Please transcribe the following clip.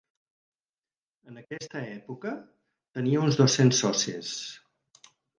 En aquesta època tenia uns dos-cents socis.